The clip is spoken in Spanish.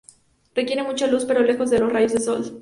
Requiere mucha luz, pero lejos de los rayos del sol.